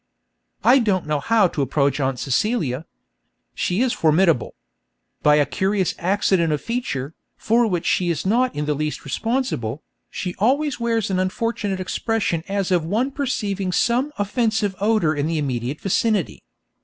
I don't know how to approach Aunt Celia. She is formidable. By a curious accident of feature, for which she is not in the least responsible, she always wears an unfortunate expression as of one perceiving some offensive odour in the immediate vicinity.